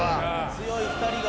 強い２人が。